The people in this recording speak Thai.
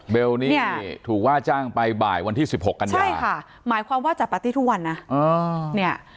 นี่ถูกว่าจ้างไปบ่ายวันที่๑๖กันยาใช่ค่ะหมายความว่าจัดปาร์ตี้ทุกวันนะเนี่ย